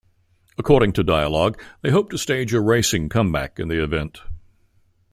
According to dialogue, they hope to stage a racing comeback in the event.